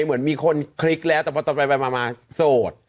เหมือนมีคนคลิกแล้วแต่พอไปมาโสด